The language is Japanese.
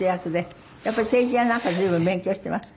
やっぱり政治やなんか随分勉強しています？